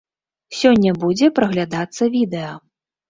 Сёння будзе праглядацца відэа.